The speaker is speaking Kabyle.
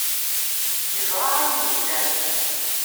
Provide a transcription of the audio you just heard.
Yeẓra ayen yellan.